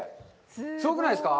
すごくないですか！